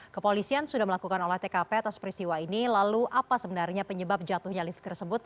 kepolisian sudah melakukan olah tkp atas peristiwa ini lalu apa sebenarnya penyebab jatuhnya lift tersebut